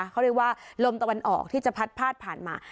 เขาเรียกว่าลมตะวันออกที่จะพัดพาดผ่านมา